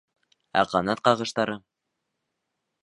Ә ҡанат ҡағыштары!